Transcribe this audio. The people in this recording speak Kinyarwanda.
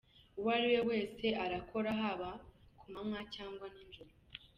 Uwo ari we wese arakora haba ku manywa cyangwa nijoro.